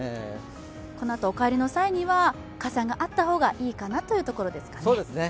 お帰りの際には傘があった方がいいというところですね。